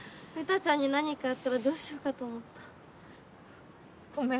⁉ウタちゃんに何かあったらどうしようかと思った。